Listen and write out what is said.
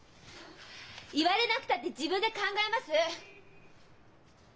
言われなくたって自分で考えます！